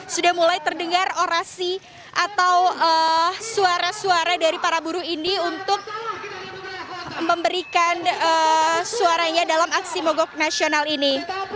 sudah mulai terdengar orasi atau suara suara dari para buruh ini untuk memberikan suaranya dalam aksi mogok nasional ini